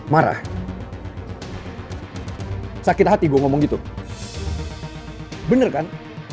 marah sakit hati gue ngomong gitu bener kan